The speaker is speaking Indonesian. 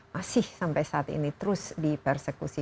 masih sampai saat ini terus dipersekusi